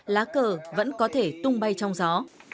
lá cờ vẫn có thể tung bay trong gió